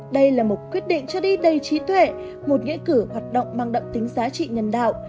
đây là một quyết định cho đi đầy trí tuệ một nghĩa cử hoạt động mang đậm tính giá trị nhân đạo